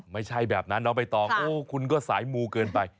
ไม่ใช่แบบนั้นน้องใบตองโอ้คุณก็สายมูเกินไป